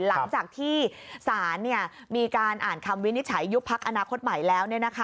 หลังจากที่ศาลมีการอ่านคำวินิจฉัยยุบพักอนาคตใหม่แล้ว